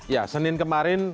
ya senin kemarin